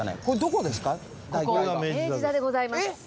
ここ明治座でございます。